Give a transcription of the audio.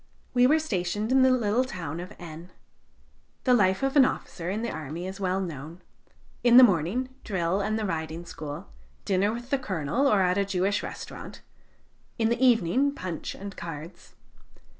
We were stationed in the little town of N . The life of an officer in the army is well known. In the morning, drill and the riding school; dinner with the Colonel or at a Jewish restaurant; in the evening, punch and cards.